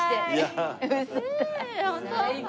最高。